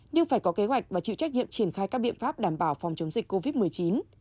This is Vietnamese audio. nhưng phải có kế hoạch và chịu trách nhiệm triển khai các biện pháp đảm bảo phòng chống dịch covid một mươi chín